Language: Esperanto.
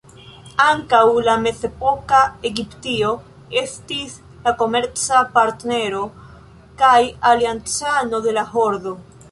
Ankaŭ la mezepoka Egiptio estis la komerca partnero kaj aliancano de la Hordo.